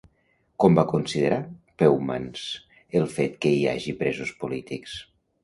Com va considerar Peumans el fet que hi hagi presos polítics?